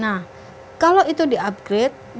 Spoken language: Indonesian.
nah kalau itu di upgrade berarti kan harus di upgrade ya